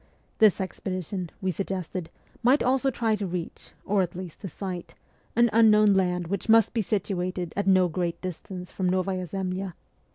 This expedi tion, we suggested, might also try to reach, or at least to sight, an unknown land which must be situated at no great distance from Novaya Zemlya.